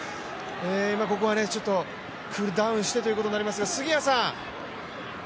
ここはちょっとクールダウンとしてということになりますが、杉谷さん